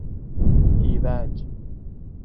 ایرج